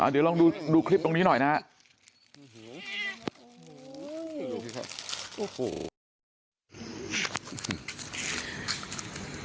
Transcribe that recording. เดี๋ยวลองดูคลิปตรงนี้หน่อยนะครับ